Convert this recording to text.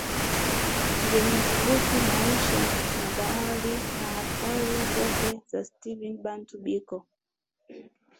Vyenye kuhusu maisha na habari zote za Steve Bantu Biko